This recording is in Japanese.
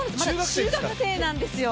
中学生なんですね。